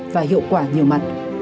và hiệu quả nhiều mặt